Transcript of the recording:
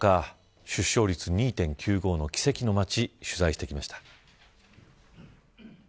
出生率２．９５の奇跡の町、取材してきました。